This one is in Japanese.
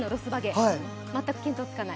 全く見当つかない？